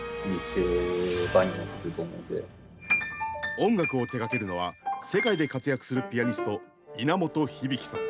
音楽を手がけるのは世界で活躍するピアニスト稲本響さん。